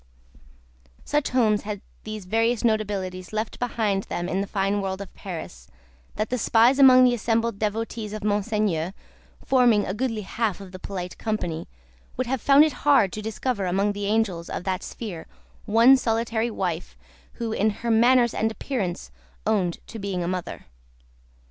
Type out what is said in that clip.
Such homes had these various notabilities left behind them in the fine world of Paris, that the spies among the assembled devotees of Monseigneur forming a goodly half of the polite company would have found it hard to discover among the angels of that sphere one solitary wife, who, in her manners and appearance, owned to being a Mother.